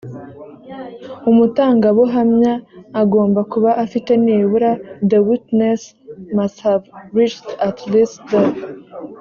umutangabuhamya agomba kuba afite nibura the witness must have reached at least the